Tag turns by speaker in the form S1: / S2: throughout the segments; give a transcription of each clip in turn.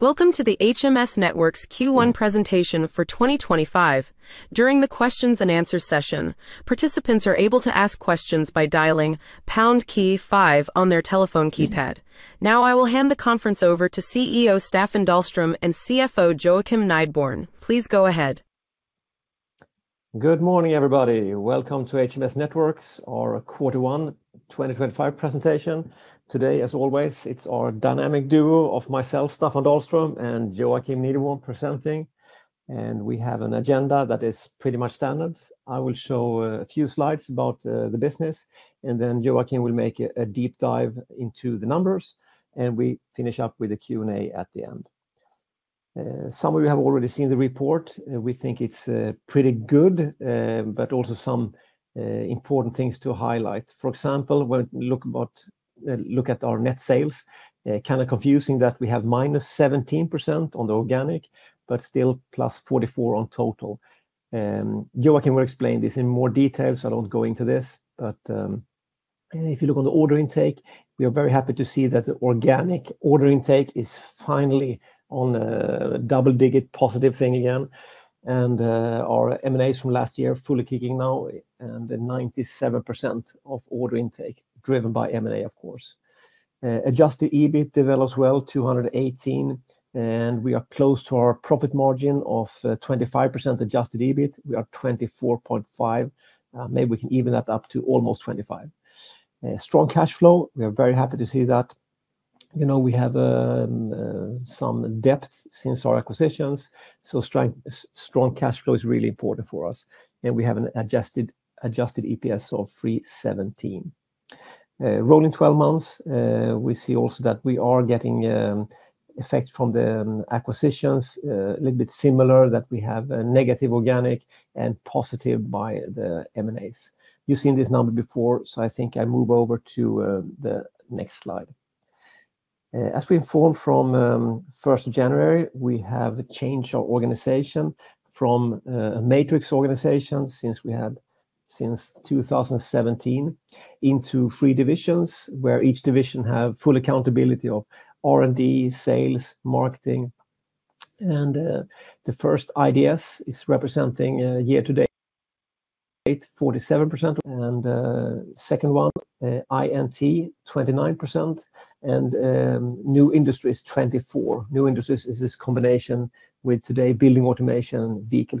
S1: Welcome to the HMS Networks Q1 presentation for 2025. During the Q&A session, participants are able to ask questions by dialing #5 on their telephone keypad. Now, I will hand the conference over to CEO Staffan Dahlström and CFO Joakim Nideborn. Please go ahead.
S2: Good morning, everybody. Welcome to HMS Networks, our Q1 2025 presentation. Today, as always, it's our dynamic duo of myself, Staffan Dahlström, and Joakim Nideborn presenting. We have an agenda that is pretty much standard. I will show a few slides about the business, and then Joakim will make a deep dive into the numbers, and we finish up with a Q&A at the end. Some of you have already seen the report. We think it's pretty good, but also some important things to highlight. For example, when we look at our net sales, it's kind of confusing that we have -17% on the organic, but still +44% on total. Joakim will explain this in more detail. I will not go into this. If you look on the order intake, we are very happy to see that the organic order intake is finally on a double-digit positive thing again. Our M&As from last year are fully kicking now, and 97% of order intake is driven by M&A, of course. Adjusted EBIT developed well, 218 million, and we are close to our profit margin of 25%. Adjusted EBIT, we are 24.5%. Maybe we can even that up to almost 25%. Strong cash flow. We are very happy to see that. We have some debt since our acquisitions, so strong cash flow is really important for us. We have an adjusted EPS of 3.17. Rolling 12 months, we see also that we are getting effect from the acquisitions, a little bit similar that we have negative organic and positive by the M&As. You've seen this number before, so I think I move over to the next slide. As we informed from 1 January, we have changed our organization from a matrix organization since we had since 2017 into three divisions where each division has full accountability of R&D, sales, marketing. The first, IDS, is representing year-to-date 47%. The second one, INT, 29%, and New Industries, 24%. New Industries is this combination with today building automation and vehicle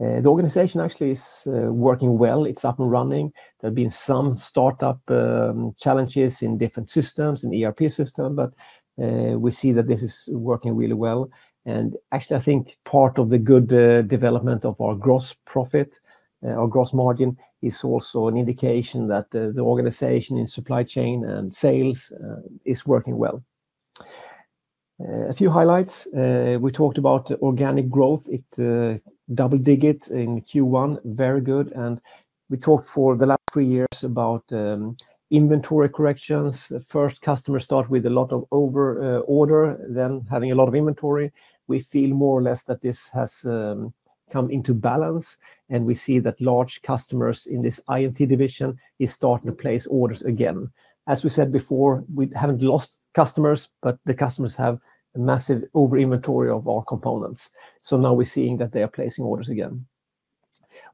S2: communication. The organization actually is working well. It's up and running. There have been some startup challenges in different systems, in ERP systems, but we see that this is working really well. Actually, I think part of the good development of our gross profit, our gross margin, is also an indication that the organization in supply chain and sales is working well. A few highlights. We talked about organic growth. It doubled digits in Q1. Very good. We talked for the last three years about inventory corrections. First, customers start with a lot of overorder, then having a lot of inventory. We feel more or less that this has come into balance, and we see that large customers in this INT division are starting to place orders again. As we said before, we haven't lost customers, but the customers have a massive overinventory of our components. Now we're seeing that they are placing orders again.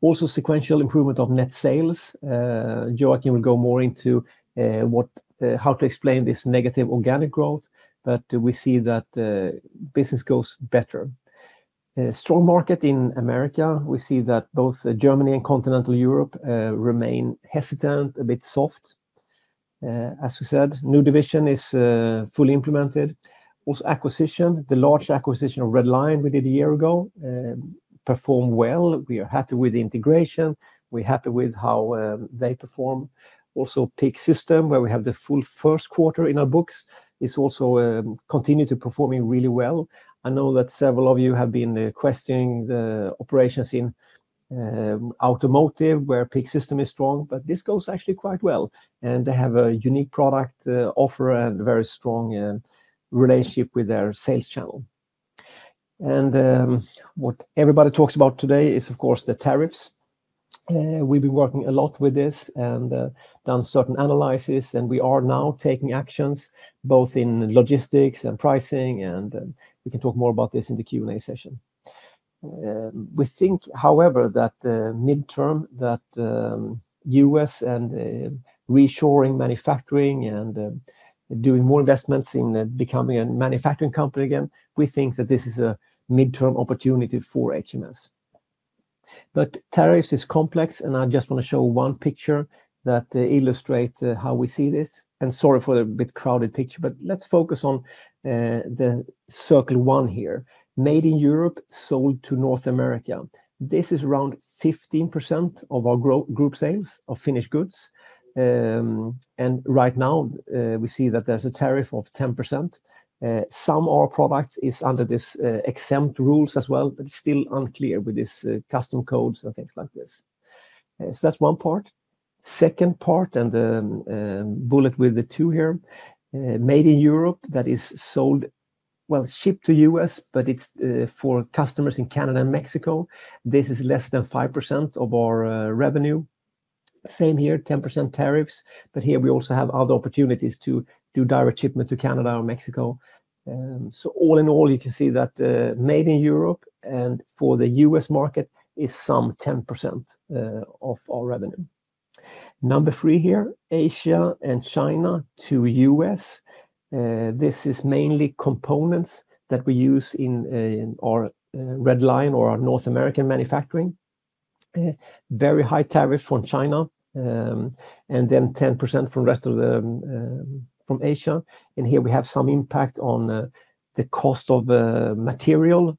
S2: Also, sequential improvement of net sales. Joakim will go more into how to explain this negative organic growth, but we see that business goes better. Strong market in America. We see that both Germany and Continental Europe remain hesitant, a bit soft. As we said, new division is fully implemented. Also, acquisition, the large acquisition of Red Lion we did a year ago performed well. We are happy with the integration. We're happy with how they perform. Also, PEAK-System, where we have the full first quarter in our books, is also continuing to perform really well. I know that several of you have been questioning the operations in automotive, where PEAK-System is strong, but this goes actually quite well. They have a unique product offer and a very strong relationship with their sales channel. What everybody talks about today is, of course, the tariffs. We've been working a lot with this and done certain analyses, and we are now taking actions both in logistics and pricing, and we can talk more about this in the Q&A session. We think, however, that mid-term, that U.S. and reshoring manufacturing and doing more investments in becoming a manufacturing company again, we think that this is a midterm opportunity for HMS. Tariffs are complex, and I just want to show one picture that illustrates how we see this. Sorry for the bit crowded picture, but let's focus on the circle one here. Made in Europe, sold to North America. This is around 15% of our group sales of finished goods. Right now, we see that there's a tariff of 10%. Some of our products are under these exempt rules as well, but it's still unclear with these customs codes and things like this. That's one part. Second part, and the bullet with the two here, made in Europe that is sold, shipped to the U.S., but it's for customers in Canada and Mexico. This is less than 5% of our revenue. Same here, 10% tariffs, but here we also have other opportunities to do direct shipment to Canada or Mexico. All in all, you can see that made in Europe and for the U.S. market is some 10% of our revenue. Number three here, Asia and China to U.S. This is mainly components that we use in our Red Lion or our North American manufacturing. Very high tariffs from China, and then 10% from the rest of Asia. Here we have some impact on the cost of material.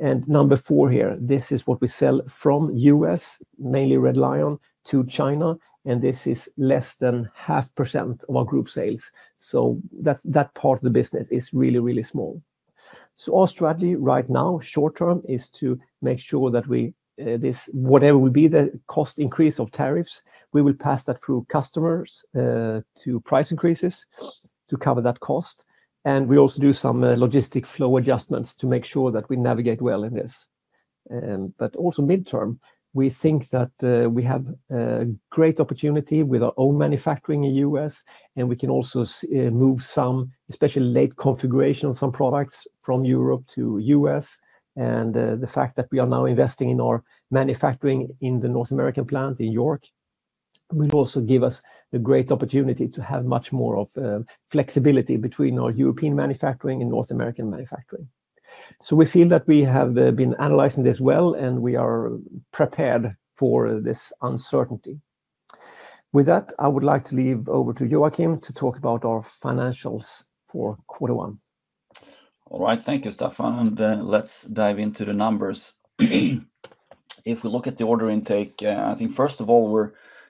S2: Number four here, this is what we sell from U.S., mainly Red Lion, to China, and this is less than 0.5% of our group sales. That part of the business is really, really small. Our strategy right now, short-term, is to make sure that we, whatever will be the cost increase of tariffs, we will pass that through customers to price increases to cover that cost. We also do some logistic flow adjustments to make sure that we navigate well in this. Also, midterm, we think that we have a great opportunity with our own manufacturing in the U.S., and we can also move some, especially late configuration of some products from Europe to the U.S. The fact that we are now investing in our manufacturing in the North American plant in York will also give us a great opportunity to have much more flexibility between our European manufacturing and North American manufacturing. We feel that we have been analyzing this well, and we are prepared for this uncertainty. With that, I would like to leave over to Joakim to talk about our financials for quarter one.
S3: All right, thank you, Staffan. Let's dive into the numbers. If we look at the order intake, I think first of all,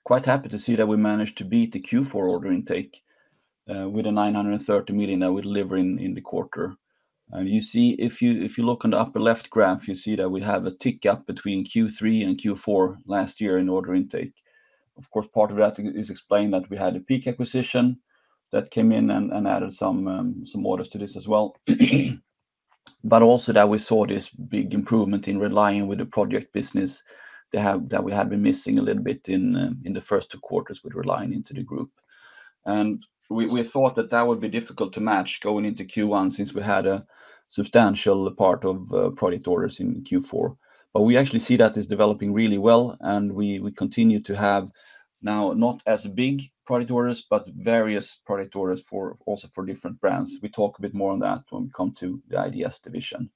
S3: we're quite happy to see that we managed to beat the Q4 order intake with the 930 million that we delivered in the quarter. You see, if you look on the upper left graph, you see that we have a tick up between Q3 and Q4 last year in order intake. Of course, part of that is explained that we had a PEAK acquisition that came in and added some orders to this as well. Also, we saw this big improvement in Red Lion with the project business that we had been missing a little bit in the first two quarters with Red Lion into the group. We thought that that would be difficult to match going into Q1 since we had a substantial part of project orders in Q4. We actually see that it is developing really well, and we continue to have now not as big project orders, but various project orders also for different brands. We talk a bit more on that when we come to the IDS division.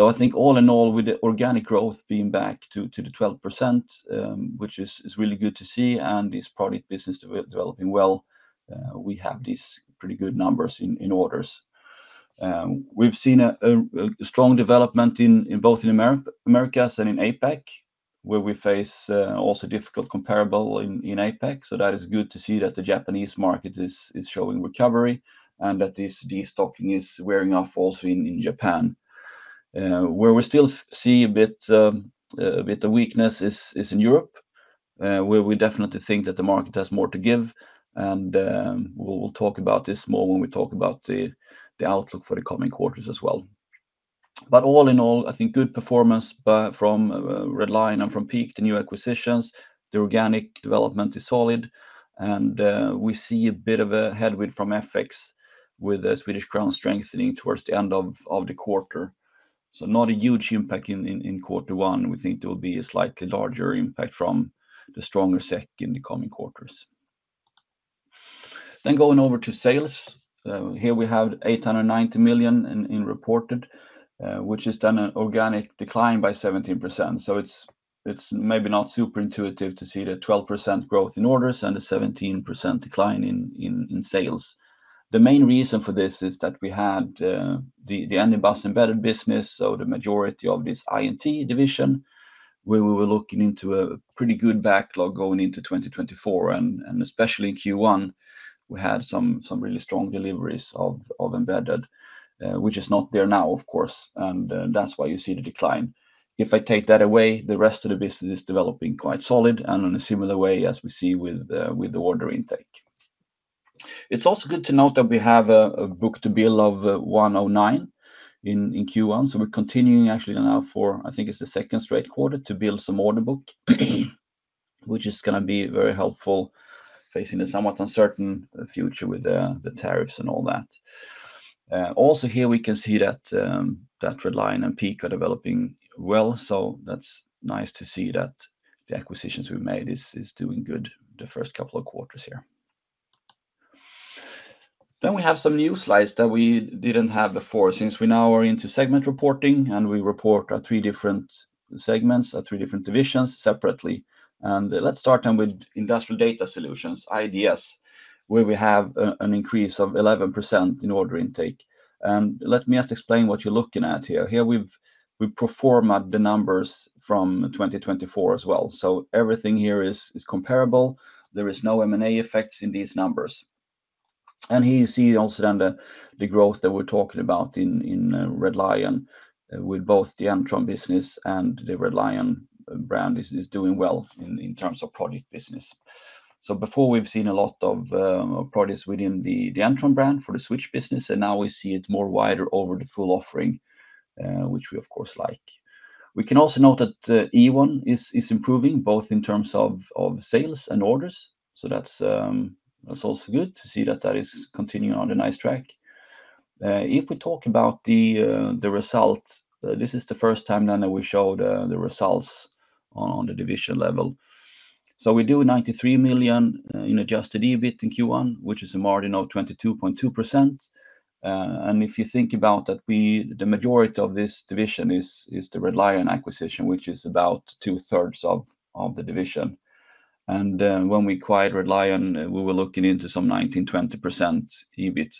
S3: I think all in all, with the organic growth being back to the 12%, which is really good to see, and this project business developing well, we have these pretty good numbers in orders. We have seen a strong development both in Americas and in APEC, where we face also difficult comparable in APEC. That is good to see that the Japanese market is showing recovery and that this destocking is wearing off also in Japan. Where we still see a bit of weakness is in Europe, where we definitely think that the market has more to give. We will talk about this more when we talk about the outlook for the coming quarters as well. All in all, I think good performance from Red Lion and from PEAK, the new acquisitions, the organic development is solid, and we see a bit of a headwind from FX with the Swedish krona strengthening towards the end of the quarter. Not a huge impact in Q1. We think there will be a slightly larger impact from the stronger SEK in the coming quarters. Going over to sales, here we have 890 million in reported, which has done an organic decline by 17%. It is maybe not super intuitive to see the 12% growth in orders and the 17% decline in sales. The main reason for this is that we had the Anybus embedded business, so the majority of this INT division, where we were looking into a pretty good backlog going into 2024. Especially in Q1, we had some really strong deliveries of embedded, which is not there now, of course, and that's why you see the decline. If I take that away, the rest of the business is developing quite solid and in a similar way as we see with the order intake. It's also good to note that we have a book to bill of 109 in Q1. We're continuing actually now for, I think it's the second straight quarter to build some order book, which is going to be very helpful facing a somewhat uncertain future with the tariffs and all that. Also here, we can see that Red Lion and PEAK are developing well. That is nice to see that the acquisitions we have made are doing good the first couple of quarters here. We have some new slides that we did not have before. Since we now are into segment reporting and we report our three different segments, our three different divisions separately. Let us start then with Industrial Data Solutions, IDS, where we have an increase of 11% in order intake. Let me just explain what you are looking at here. Here we have proformed the numbers from 2024 as well. Everything here is comparable. There are no M&A effects in these numbers. Here you see also the growth that we are talking about in Red Lion with both the N-Tron business and the Red Lion brand is doing well in terms of project business. Before, we've seen a lot of projects within the N-Tron brand for the switch business, and now we see it more widely over the full offering, which we of course like. We can also note that Ewon is improving both in terms of sales and orders. That's also good to see that that is continuing on a nice track. If we talk about the result, this is the first time then that we showed the results on the division level. We do 93 million in adjusted EBIT in Q1, which is a margin of 22.2%. If you think about that, the majority of this division is the Red Lion acquisition, which is about two-thirds of the division. When we acquired Red Lion, we were looking into some 19%, 20% EBIT.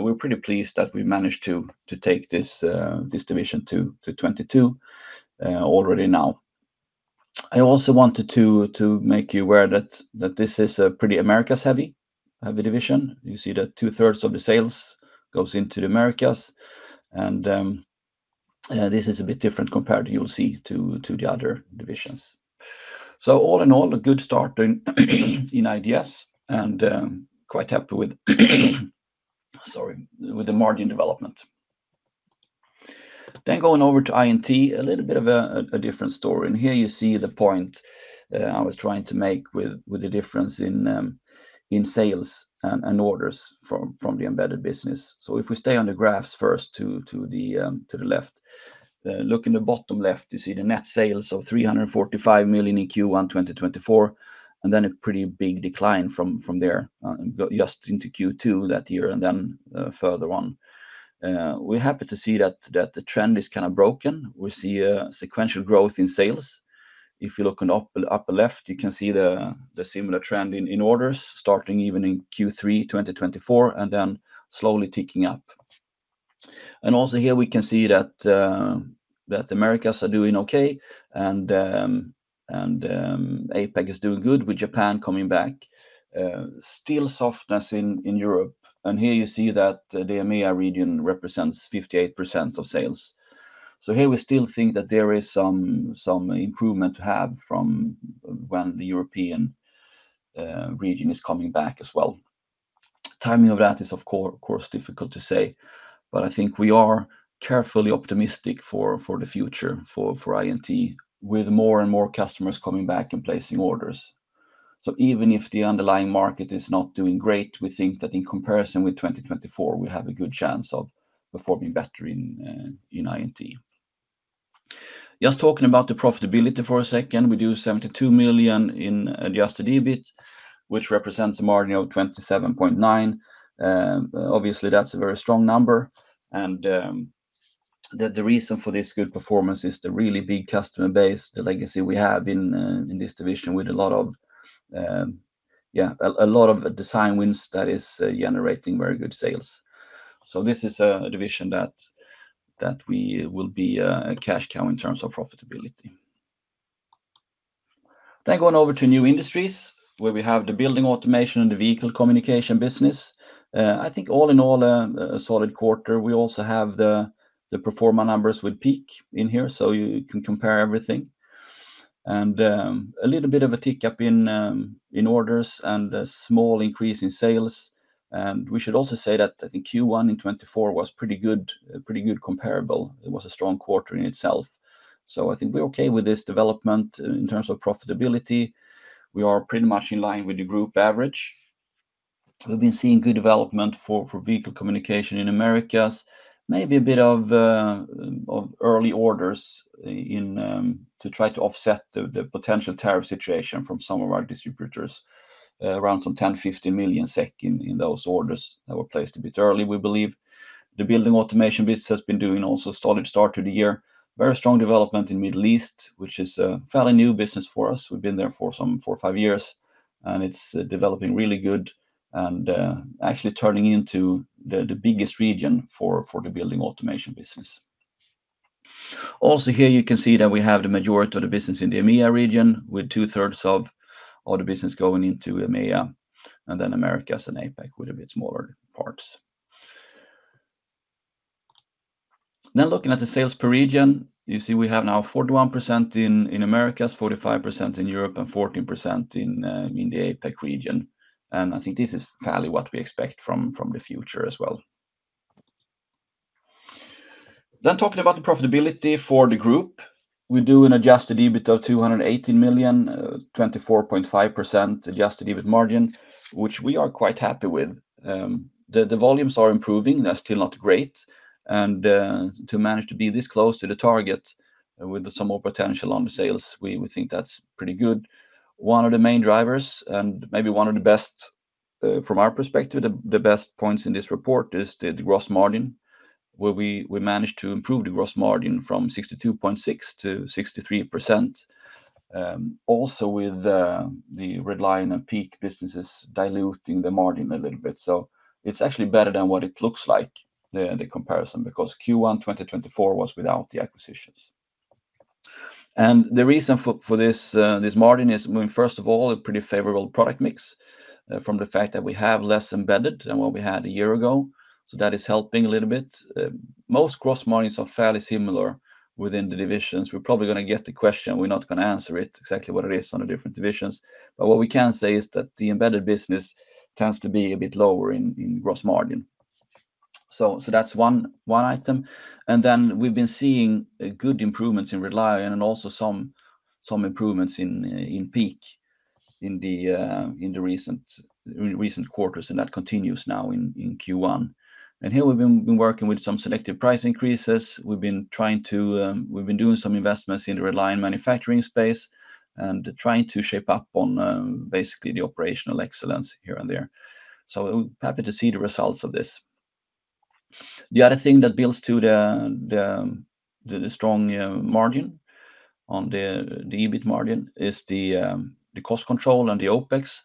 S3: We're pretty pleased that we managed to take this division to 22% already now. I also wanted to make you aware that this is a pretty Americas-heavy division. You see that two-thirds of the sales goes into the Americas. This is a bit different compared, you'll see, to the other divisions. All in all, a good start in IDS and quite happy with, sorry, with the margin development. Going over to INT, a little bit of a different story. Here you see the point I was trying to make with the difference in sales and orders from the embedded business. If we stay on the graphs first to the left, look in the bottom left, you see the net sales of 345 million in Q1 2024, and then a pretty big decline from there just into Q2 that year and then further on. We're happy to see that the trend is kind of broken. We see a sequential growth in sales. If you look on the upper left, you can see the similar trend in orders starting even in Q3 2024 and then slowly ticking up. Also here we can see that Americas are doing okay, and APEC is doing good with Japan coming back. Still softness in Europe. Here you see that the EMEA region represents 58% of sales. Here we still think that there is some improvement to have from when the European region is coming back as well. Timing of that is, of course, difficult to say, but I think we are carefully optimistic for the future for INT with more and more customers coming back and placing orders. Even if the underlying market is not doing great, we think that in comparison with 2024, we have a good chance of performing better in INT. Just talking about the profitability for a second, we do 72 million in adjusted EBIT, which represents a margin of 27.9%. Obviously, that's a very strong number. The reason for this good performance is the really big customer base, the legacy we have in this division with a lot of, yeah, a lot of design wins that is generating very good sales. This is a division that we will be a cash cow in terms of profitability. Going over to new industries where we have the building automation and the vehicle communication business, I think all in all, a solid quarter. We also have the pro forma numbers with PEAK in here, so you can compare everything. A little bit of a tick up in orders and a small increase in sales. We should also say that I think Q1 in 2024 was pretty good, pretty good comparable. It was a strong quarter in itself. I think we're okay with this development in terms of profitability. We are pretty much in line with the group average. We've been seeing good development for vehicle communication in Americas, maybe a bit of early orders to try to offset the potential tariff situation from some of our distributors around 10 million SEK- SEK 15 million in those orders that were placed a bit early, we believe. The building automation business has been doing also a solid start to the year. Very strong development in the Middle East, which is a fairly new business for us. We've been there for four or five years, and it's developing really good and actually turning into the biggest region for the building automation business. Also here, you can see that we have the majority of the business in the EMEA region with two-thirds of the business going into EMEA, and then Americas and APEC with a bit smaller parts. Now looking at the sales per region, you see we have now 41% in Americas, 45% in Europe, and 14% in the APEC region. I think this is fairly what we expect from the future as well. Talking about the profitability for the group, we do an adjusted EBIT of 218 million, 24.5% adjusted EBIT margin, which we are quite happy with. The volumes are improving. They're still not great. To manage to be this close to the target with some more potential on the sales, we think that's pretty good. One of the main drivers, and maybe one of the best from our perspective, the best points in this report is the gross margin, where we managed to improve the gross margin from 62.6% to 63%. Also with the Red Lion and PEAK businesses diluting the margin a little bit. It is actually better than what it looks like, the comparison, because Q1 2024 was without the acquisitions. The reason for this margin is, first of all, a pretty favorable product mix from the fact that we have less embedded than what we had a year ago. That is helping a little bit. Most gross margins are fairly similar within the divisions. We are probably going to get the question. We are not going to answer it exactly what it is on the different divisions. What we can say is that the embedded business tends to be a bit lower in gross margin. That's one item. We have been seeing good improvements in Red Lion and also some improvements in PEAK in the recent quarters, and that continues now in Q1. Here we have been working with some selective price increases. We have been doing some investments in the Red Lion manufacturing space and trying to shape up on basically the operational excellence here and there. We are happy to see the results of this. The other thing that builds to the strong margin on the EBIT margin is the cost control and the OpEx,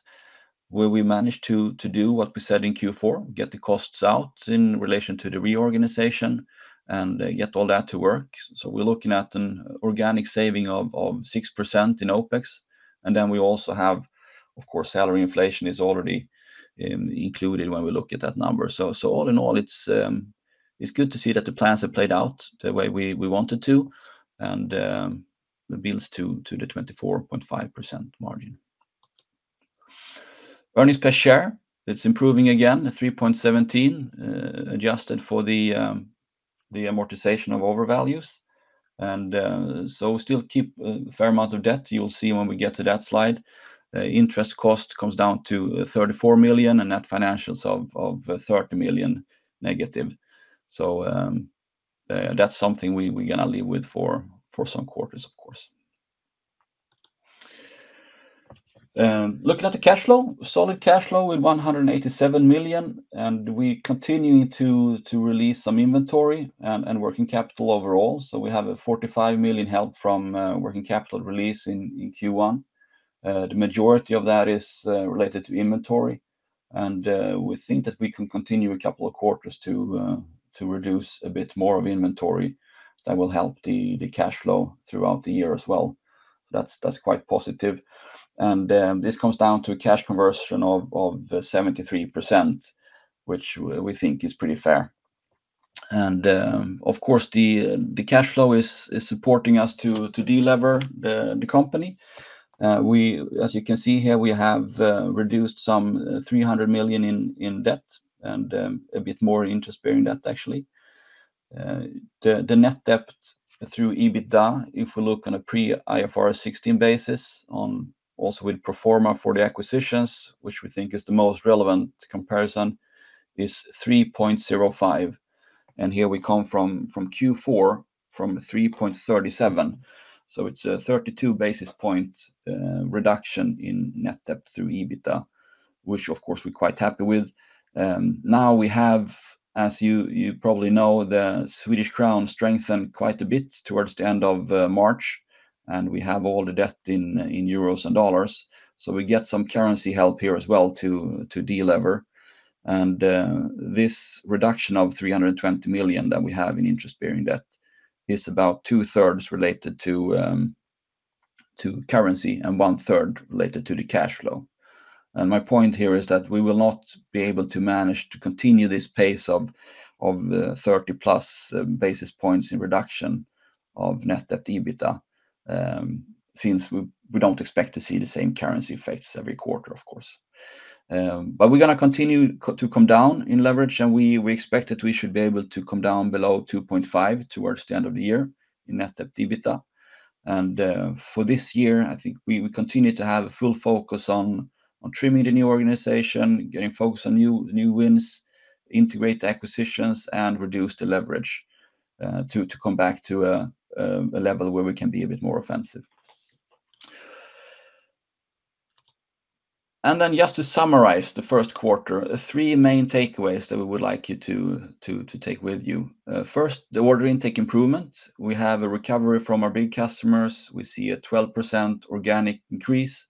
S3: where we managed to do what we said in Q4, get the costs out in relation to the reorganization and get all that to work. We are looking at an organic saving of 6% in OpEx. We also have, of course, salary inflation is already included when we look at that number. All in all, it is good to see that the plans have played out the way we wanted to, and it builds to the 24.5% margin. Earnings per share, it is improving again, 3.17 adjusted for the amortization of overvalues. We still keep a fair amount of debt. You will see when we get to that slide. Interest cost comes down to 34 million and net financials of 30 million negative. That is something we are going to live with for some quarters, of course. Looking at the cash flow, solid cash flow with 187 million, and we continue to release some inventory and working capital overall. We have a 45 million help from working capital release in Q1. The majority of that is related to inventory. We think that we can continue a couple of quarters to reduce a bit more of inventory. That will help the cash flow throughout the year as well. That is quite positive. This comes down to a cash conversion of 73%, which we think is pretty fair. Of course, the cash flow is supporting us to delever the company. As you can see here, we have reduced some 300 million in debt and a bit more interest-bearing debt, actually. The net debt through EBITDA, if we look on a pre-IFRS 16 basis and also with pro forma for the acquisitions, which we think is the most relevant comparison, is 3.05. Here we come from Q4 from 3.37. It is a 32 basis point reduction in net debt through EBITDA, which of course we are quite happy with. Now we have, as you probably know, the Swedish krona strengthened quite a bit towards the end of March, and we have all the debt in euros and dollars. So we get some currency help here as well to delever. And this reduction of 320 million that we have in interest-bearing debt is about two-thirds related to currency and 1/3 related to the cash flow. My point here is that we will not be able to manage to continue this pace of 30+ basis points in reduction of net debt EBITDA since we do not expect to see the same currency effects every quarter, of course. We are going to continue to come down in leverage, and we expect that we should be able to come down below 2.5x towards the end of the year in net debt EBITDA. For this year, I think we continue to have full focus on trimming the new organization, getting focus on new wins, integrate acquisitions, and reduce the leverage to come back to a level where we can be a bit more offensive. Just to summarize the first quarter, three main takeaways that we would like you to take with you. First, the order intake improvement. We have a recovery from our big customers. We see a 12% organic increase.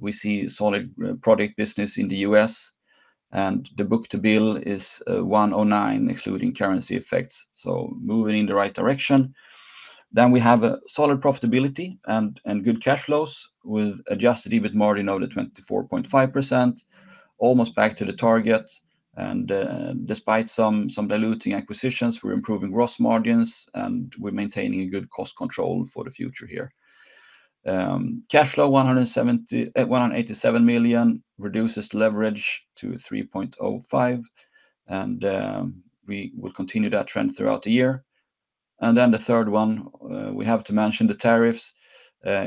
S3: We see solid product business in the U.S. The book to bill is 109, excluding currency effects. Moving in the right direction. We have solid profitability and good cash flows with adjusted EBIT margin over 24.5%, almost back to the target. Despite some diluting acquisitions, we're improving gross margins and we're maintaining good cost control for the future here. Cash flow 187 million reduces leverage to 3.05x, and we will continue that trend throughout the year. The third one, we have to mention the tariffs.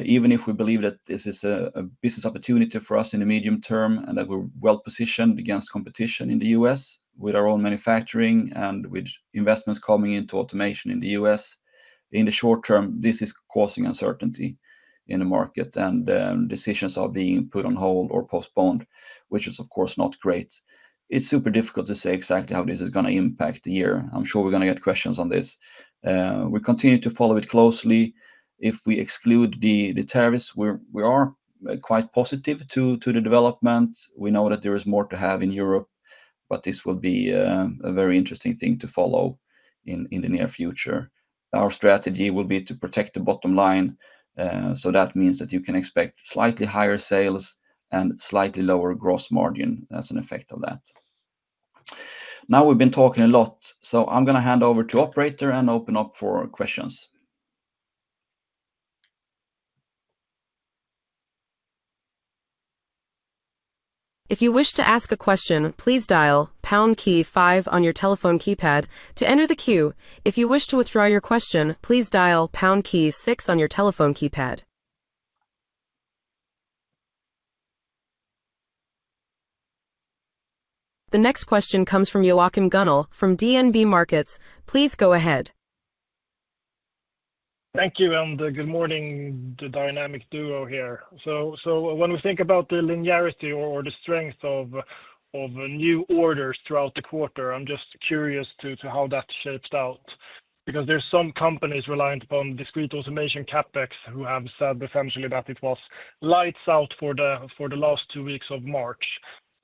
S3: Even if we believe that this is a business opportunity for us in the medium term and that we're well positioned against competition in the U.S. with our own manufacturing and with investments coming into automation in the U.S., in the short-term, this is causing uncertainty in the market and decisions are being put on hold or postponed, which is, of course, not great. It's super difficult to say exactly how this is going to impact the year. I'm sure we're going to get questions on this. We continue to follow it closely. If we exclude the tariffs, we are quite positive to the development. We know that there is more to have in Europe, but this will be a very interesting thing to follow in the near future. Our strategy will be to protect the bottom line. That means that you can expect slightly higher sales and slightly lower gross margin as an effect of that. Now we've been talking a lot, so I'm going to hand over to operator and open up for questions.
S1: If you wish to ask a question, please dial pound key five on your telephone keypad to enter the queue. If you wish to withdraw your question, please dial pound key six on your telephone keypad. The next question comes from Joachim Gunell from DNB Markets. Please go ahead.
S4: Thank you and good morning, the Dynamic Duo here. When we think about the linearity or the strength of new orders throughout the quarter, I'm just curious to how that shapes out because there are some companies reliant upon discrete automation CapEx who have said essentially that it was lights out for the last two weeks of March.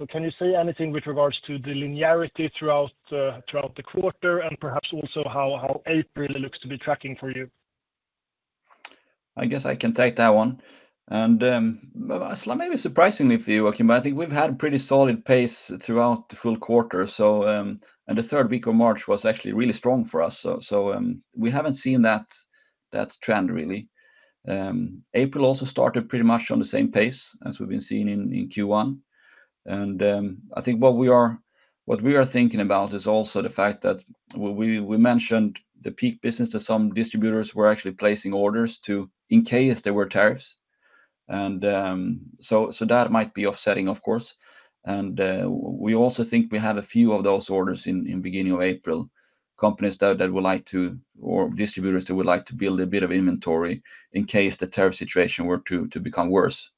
S4: Can you say anything with regards to the linearity throughout the quarter and perhaps also how April looks to be tracking for you?
S3: I guess I can take that one. Maybe surprisingly for you, Joakim, but I think we've had a pretty solid pace throughout the full quarter. The third week of March was actually really strong for us. We haven't seen that trend really. April also started pretty much on the same pace as we've been seeing in Q1. I think what we are thinking about is also the fact that we mentioned the PEAK business that some distributors were actually placing orders in case there were tariffs. That might be offsetting, of course. We also think we had a few of those orders in the beginning of April, companies that would like to, or distributors that would like to build a bit of inventory in case the tariff situation were to become worse.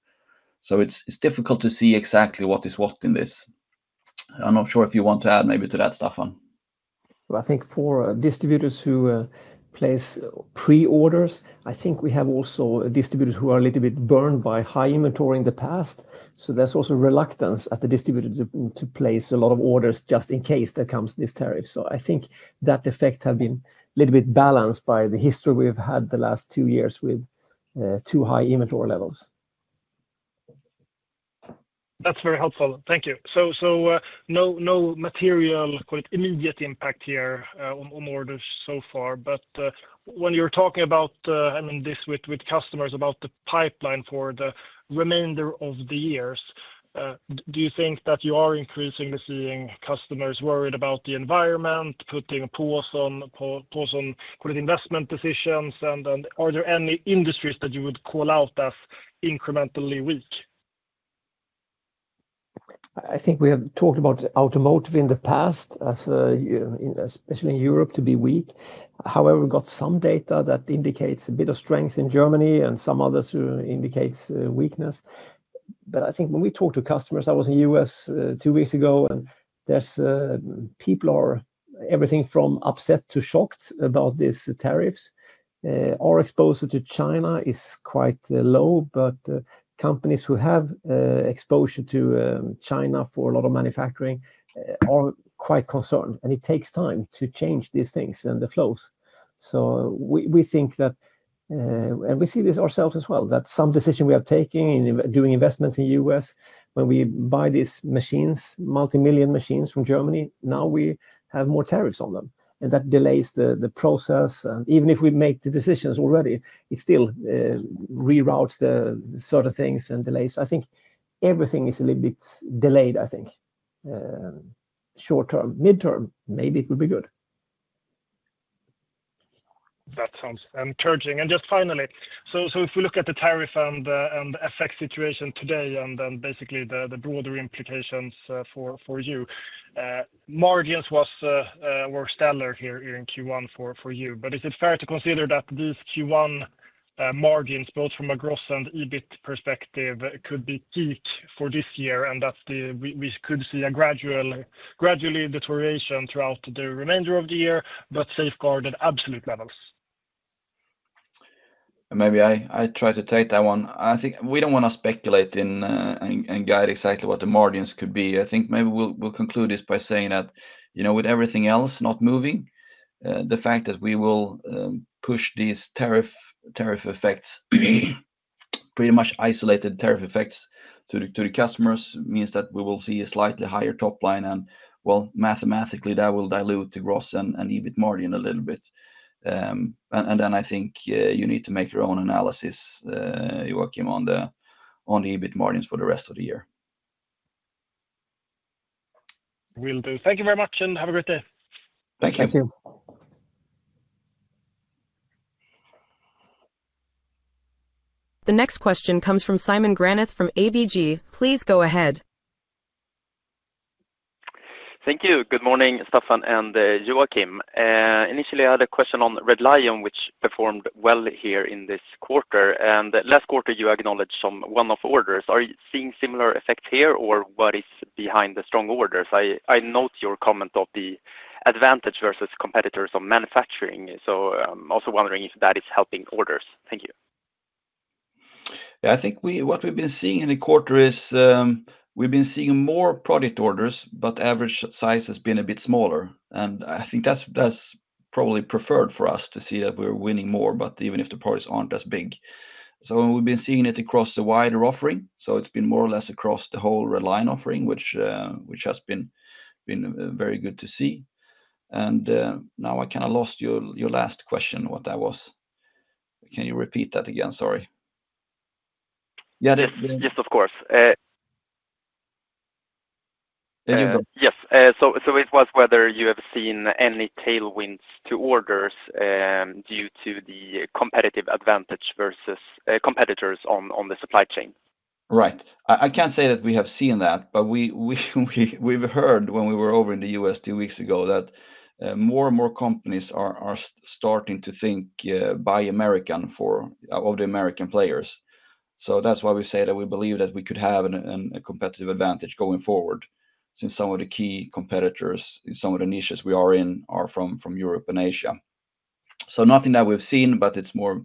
S3: It's difficult to see exactly what is what in this. I'm not sure if you want to add maybe to that, Staffan.
S2: I think for distributors who place pre-orders, we have also distributors who are a little bit burned by high inventory in the past. There's also reluctance at the distributor to place a lot of orders just in case there comes this tariff. I think that effect has been a little bit balanced by the history we've had the last two years with too high inventory levels.
S4: That's very helpful. Thank you. No material immediate impact here on orders so far. When you're talking about this with customers about the pipeline for the remainder of the years, do you think that you are increasingly seeing customers worried about the environment, putting a pause on investment decisions? Are there any industries that you would call out as incrementally weak?
S2: I think we have talked about automotive in the past, especially in Europe, to be weak. However, we got some data that indicates a bit of strength in Germany and some others indicate weakness. I think when we talk to customers, I was in the U.S. two weeks ago, and people are everything from upset to shocked about these tariffs. Our exposure to China is quite low, but companies who have exposure to China for a lot of manufacturing are quite concerned. It takes time to change these things and the flows. We think that, and we see this ourselves as well, that some decision we are taking and doing investments in the U.S., when we buy these machines, multi-million machines from Germany, now we have more tariffs on them. That delays the process. Even if we make the decisions already, it still reroutes certain things and delays. I think everything is a little bit delayed, I think. Short term, mid-term, maybe it would be good.
S4: That sounds encouraging. Just finally, if we look at the tariff and the effect situation today and then basically the broader implications for you, margins were stellar here in Q1 for you. Is it fair to consider that these Q1 margins, both from a gross and EBIT perspective, could be PEAK for this year and that we could see a gradual deterioration throughout the remainder of the year, but safeguarded absolute levels?
S3: Maybe I try to take that one. I think we do not want to speculate and guide exactly what the margins could be. I think maybe we will conclude this by saying that with everything else not moving, the fact that we will push these tariff effects, pretty much isolated tariff effects to the customers, means that we will see a slightly higher top line. Mathematically, that will dilute the gross and EBIT margin a little bit. I think you need to make your own analysis, Joachim, on the EBIT margins for the rest of the year.
S4: Will do. Thank you very much and have a great day.
S3: Thank you.
S1: The next question comes from Simon Granath from ABG. Please go ahead.
S5: Thank you. Good morning, Staffan and Joakim. Initially, I had a question on Red Lion, which performed well here in this quarter. And last quarter, you acknowledged some one-off orders. Are you seeing similar effects here or what is behind the strong orders? I note your comment of the advantage versus competitors on manufacturing. I am also wondering if that is helping orders. Thank you.
S3: Yeah, I think what we have been seeing in the quarter is we have been seeing more product orders, but average size has been a bit smaller. I think that is probably preferred for us to see that we are winning more, but even if the parties are not as big. We have been seeing it across the wider offering. It has been more or less across the whole Red Lion offering, which has been very good to see. I kind of lost your last question, what that was. Can you repeat that again? Sorry.
S5: Yes, of course. Yes. It was whether you have seen any tailwinds to orders due to the competitive advantage versus competitors on the supply chain.
S3: Right. I cannot say that we have seen that, but we have heard when we were over in the U.S. two weeks ago that more and more companies are starting to think Buy American for the American players. That is why we say that we believe that we could have a competitive advantage going forward since some of the key competitors in some of the niches we are in are from Europe and Asia. Nothing that we have seen, but it is more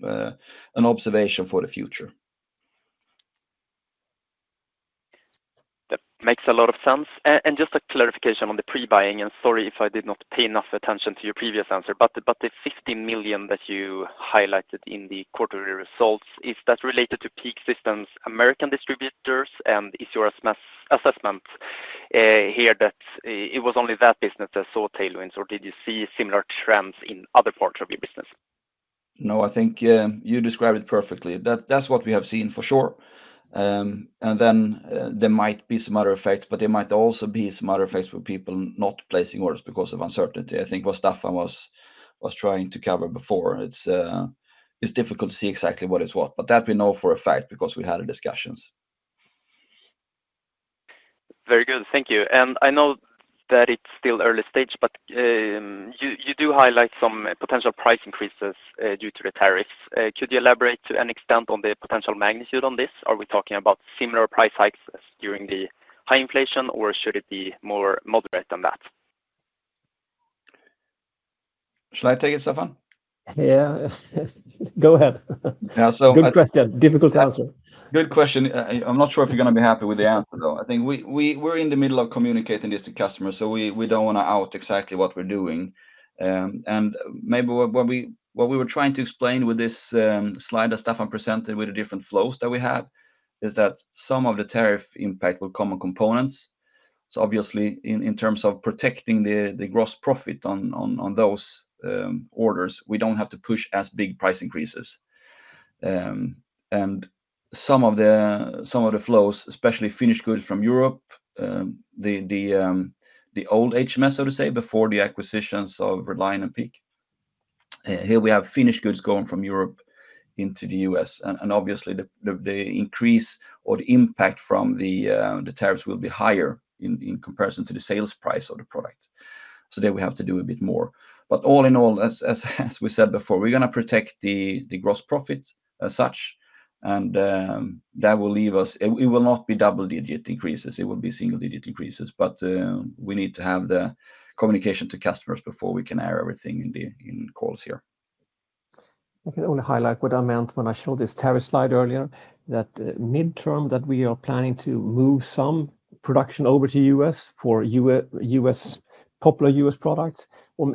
S3: an observation for the future.
S5: That makes a lot of sense. Just a clarification on the pre-buying, and sorry if I did not pay enough attention to your previous answer, but the $15 million that you highlighted in the quarterly results, is that related to PEAK-System's American distributors? Is your assessment here that it was only that business that saw tailwinds, or did you see similar trends in other parts of your business?
S3: No, I think you described it perfectly. That is what we have seen for sure. There might be some other effects, but there might also be some other effects for people not placing orders because of uncertainty. I think what Staffan was trying to cover before, it's difficult to see exactly what is what, but that we know for a fact because we had discussions.
S5: Very good. Thank you. I know that it's still early stage, but you do highlight some potential price increases due to the tariffs. Could you elaborate to an extent on the potential magnitude on this? Are we talking about similar price hikes during the high inflation, or should it be more moderate than that?
S3: Should I take it, Staffan?
S2: Yeah, go ahead. Good question. Difficult to answer.
S3: Good question. I'm not sure if you're going to be happy with the answer, though. I think we're in the middle of communicating this to customers, so we don't want to out exactly what we're doing. Maybe what we were trying to explain with this slide that Staffan presented with the different flows that we had is that some of the tariff impact will come on components. Obviously, in terms of protecting the gross profit on those orders, we do not have to push as big price increases. Some of the flows, especially finished goods from Europe, the old HMS, so to say, before the acquisitions of Red Lion and Peak, here we have finished goods going from Europe into the U.S. Obviously, the increase or the impact from the tariffs will be higher in comparison to the sales price of the product. We have to do a bit more. All in all, as we said before, we are going to protect the gross profit as such. That will leave us, it will not be double-digit increases. It will be single-digit increases. We need to have the communication to customers before we can air everything in calls here.
S2: I can only highlight what I meant when I showed this tariff slide earlier, that midterm we are planning to move some production over to the U.S. for popular U.S. products,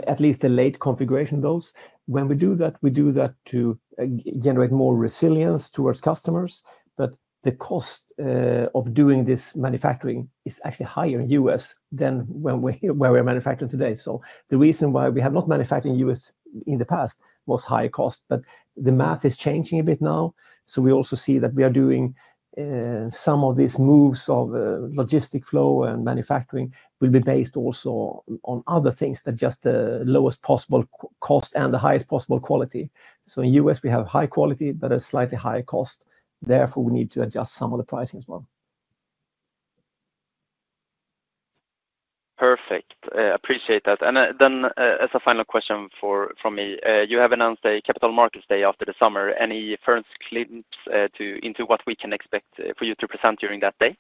S2: at least the late configuration of those. When we do that, we do that to generate more resilience towards customers. The cost of doing this manufacturing is actually higher in the U.S. than where we're manufacturing today. The reason why we have not manufactured in the U.S. in the past was higher cost. The math is changing a bit now. We also see that we are doing some of these moves of logistic flow and manufacturing will be based also on other things than just the lowest possible cost and the highest possible quality. In the U.S., we have high quality, but a slightly higher cost. Therefore, we need to adjust some of the pricing as well.
S5: Perfect. Appreciate that. As a final question from me, you have announced a Capital Markets Day after the summer. Any first clips into what we can expect for you to present during that day?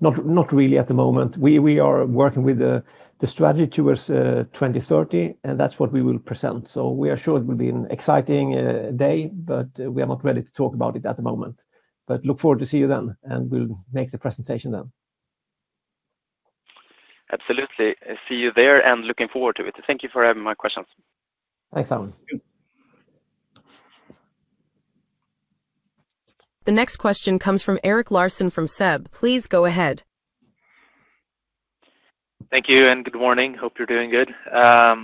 S2: Not really at the moment. We are working with the strategy towards 2030, and that's what we will present. We are sure it will be an exciting day, but we are not ready to talk about it at the moment. Look forward to see you then, and we'll make the presentation then.
S5: Absolutely. See you there and looking forward to it. Thank you for having my questions.
S2: Thanks, Simon.
S1: The next question comes from Erik Larsson from SEB. Please go ahead.
S6: Thank you and good morning. Hope you're doing good. I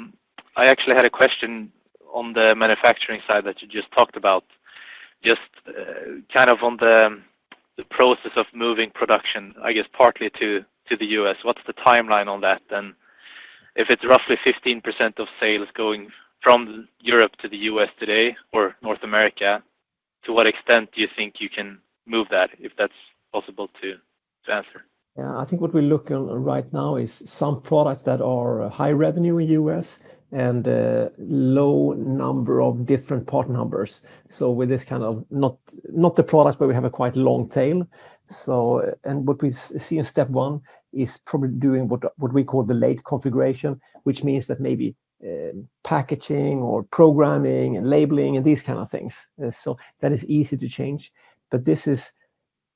S6: actually had a question on the manufacturing side that you just talked about, just kind of on the process of moving production, I guess partly to the U.S. What's the timeline on that? And if it's roughly 15% of sales going from Europe to the U.S. today or North America, to what extent do you think you can move that if that's possible to answer?
S2: Yeah, I think what we're looking at right now is some products that are high revenue in the U.S. and low number of different part numbers. With this kind of not the product, but we have a quite long tail. What we see in step one is probably doing what we call the late configuration, which means that maybe packaging or programming and labeling and these kinds of things. That is easy to change. This is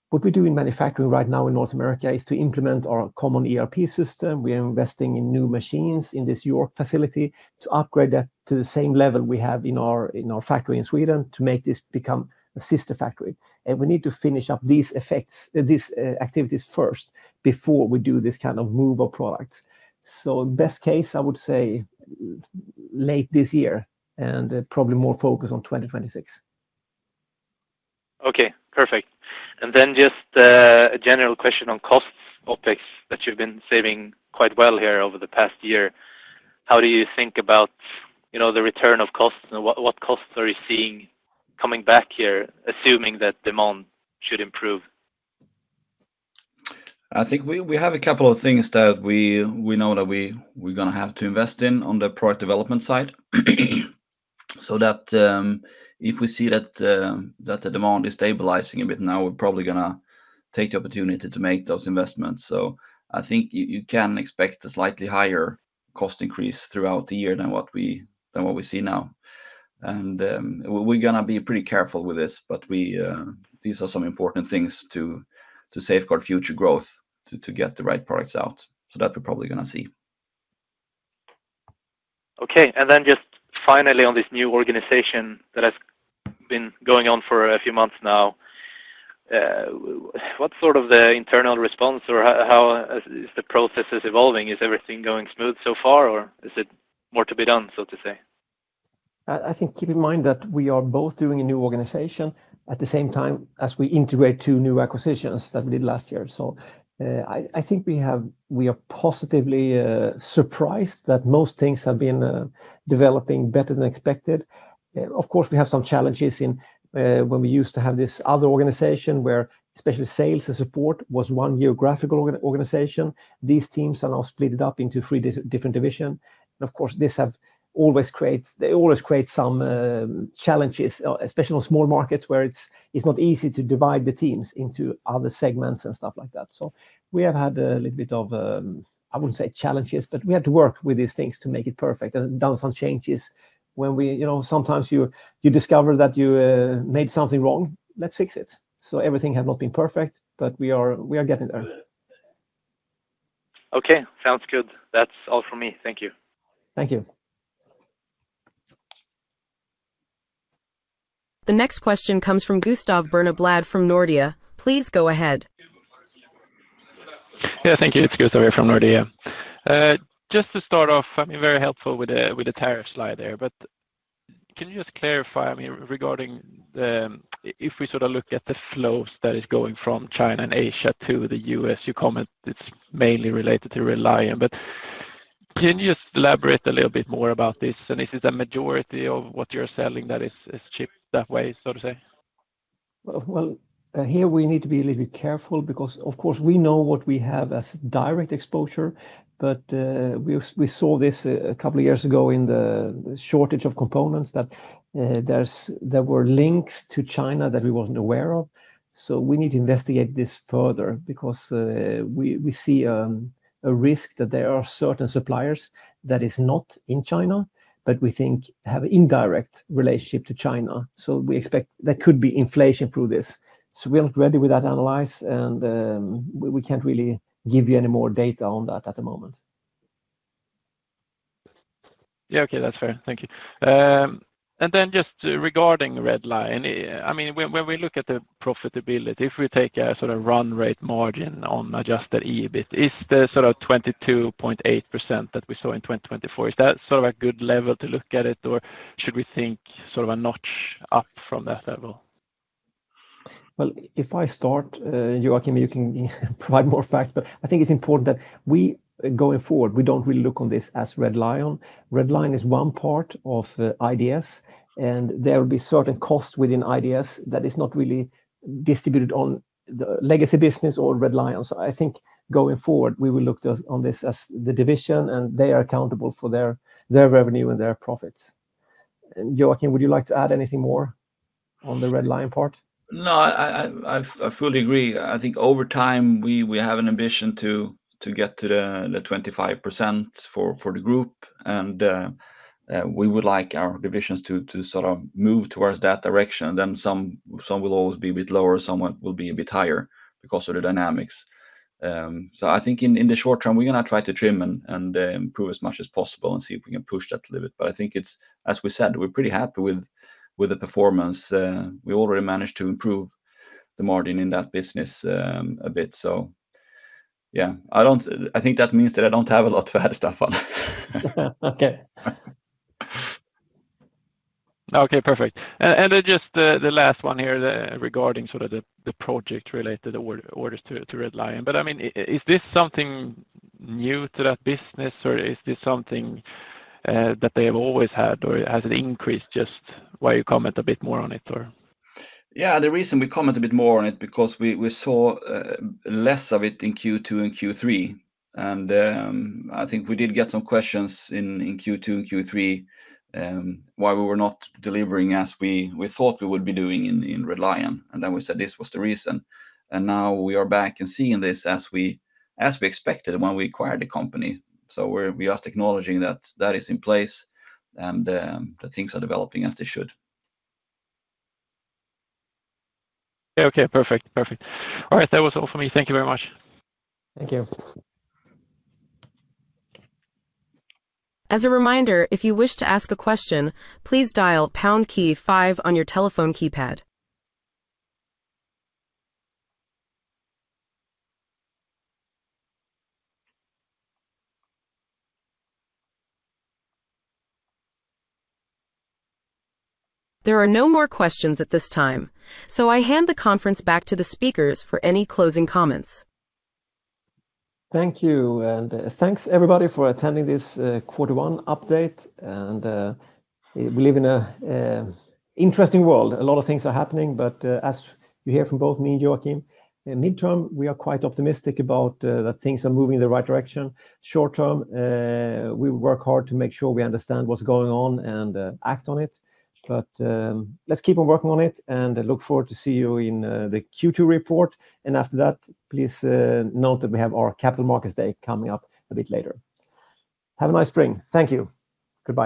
S2: what we're doing manufacturing right now in North America is to implement our common ERP system. We are investing in new machines in this York facility to upgrade that to the same level we have in our factory in Sweden to make this become a sister factory. We need to finish up these activities first before we do this kind of move of products. Best case, I would say late this year and probably more focus on 2026.
S6: Okay, perfect. Just a general question on costs. OpEx that you've been saving quite well here over the past year. How do you think about the return of costs? What costs are you seeing coming back here, assuming that demand should improve?
S3: I think we have a couple of things that we know that we're going to have to invest in on the product development side. If we see that the demand is stabilizing a bit now, we're probably going to take the opportunity to make those investments. I think you can expect a slightly higher cost increase throughout the year than what we see now. We're going to be pretty careful with this, but these are some important things to safeguard future growth to get the right products out. That we're probably going to see.
S6: Okay. Finally, on this new organization that has been going on for a few months now, what is the internal response or how is the process evolving? Is everything going smooth so far, or is there more to be done, so to say?
S2: I think keep in mind that we are both doing a new organization at the same time as we integrate two new acquisitions that we did last year. I think we are positively surprised that most things have been developing better than expected. Of course, we have some challenges when we used to have this other organization where especially sales and support was one geographical organization. These teams are now split up into three different divisions. This always creates some challenges, especially on small markets where it's not easy to divide the teams into other segments and stuff like that. We have had a little bit of, I wouldn't say challenges, but we had to work with these things to make it perfect and done some changes. When sometimes you discover that you made something wrong, let's fix it. Everything has not been perfect, but we are getting there.
S6: Okay, sounds good. That's all from me. Thank you.
S2: Thank you.
S1: The next question comes from Gustav Berneblad from Nordea. Please go ahead.
S7: Yeah, thank you. It's Gustav here from Nordea. Just to start off, I mean, very helpful with the tariff slide there, but can you just clarify, I mean, regarding if we sort of look at the flows that is going from China and Asia to the U.S., you comment it's mainly related to Red Lion. Can you just elaborate a little bit more about this? And is it a majority of what you're selling that is shipped that way, so to say?
S2: Here we need to be a little bit careful because, of course, we know what we have as direct exposure, but we saw this a couple of years ago in the shortage of components that there were links to China that we were not aware of. We need to investigate this further because we see a risk that there are certain suppliers that are not in China, but we think have an indirect relationship to China. We expect there could be inflation through this. We are not ready with that analysis, and we cannot really give you any more data on that at the moment.
S7: Yeah, okay, that is fair. Thank you. Just regarding Red Lion, I mean, when we look at the profitability, if we take a sort of run rate margin on adjusted EBIT, is the sort of 22.8% that we saw in 2024, is that sort of a good level to look at it, or should we think sort of a notch up from that level?
S2: If I start, Joakim, you can provide more facts, but I think it's important that we going forward, we don't really look on this as Red Lion. Red Lion is one part of IDS, and there will be certain costs within IDS that are not really distributed on the legacy business or Red Lion. I think going forward, we will look on this as the division, and they are accountable for their revenue and their profits. Joakim, would you like to add anything more on the Red Lion part?
S3: No, I fully agree. I think over time, we have an ambition to get to the 25% for the group, and we would like our divisions to sort of move towards that direction. Some will always be a bit lower, some will be a bit higher because of the dynamics. I think in the short term, we're going to try to trim and improve as much as possible and see if we can push that a little bit. I think, as we said, we're pretty happy with the performance. We already managed to improve the margin in that business a bit. Yeah, I think that means that I do not have a lot to add, Staffan.
S2: Okay.
S7: Okay, perfect. Just the last one here regarding sort of the project-related orders to Red Lion. But I mean, is this something new to that business, or is this something that they have always had, or has it increased just while you comment a bit more on it, or?
S3: Yeah, the reason we comment a bit more on it is because we saw less of it in Q2 and Q3. I think we did get some questions in Q2 and Q3 why we were not delivering as we thought we would be doing in Red Lion. We said this was the reason. Now we are back and seeing this as we expected when we acquired the company. We are acknowledging that that is in place and that things are developing as they should.
S7: Okay, perfect. Perfect. All right, that was all for me. Thank you very much.
S3: Thank you.
S1: As a reminder, if you wish to ask a question, please dial pound key five on your telephone keypad. There are no more questions at this time, so I hand the conference back to the speakers for any closing comments.
S2: Thank you. Thanks everybody for attending this quarter one update. We live in an interesting world. A lot of things are happening, but as you hear from both me and Joakim, midterm, we are quite optimistic about that things are moving in the right direction. Short-term, we will work hard to make sure we understand what's going on and act on it. Let's keep on working on it and look forward to seeing you in the Q2 report. After that, please note that we have our Capital Markets Day coming up a bit later. Have a nice spring. Thank you. Goodbye.